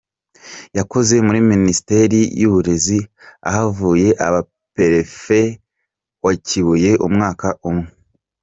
Yakoze muri Ministeri y’uburezi, ahavuye aba Perefe wa Kibuye umwaka umwe.